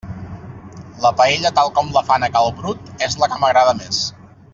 La paella tal com la fan a cal Brut és la que m'agrada més.